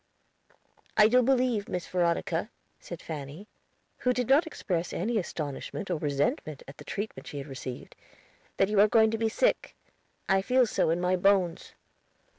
"I do believe, Miss Veronica," said Fanny, who did not express any astonishment or resentment at the treatment she had received, "that you are going to be sick; I feel so in my bones."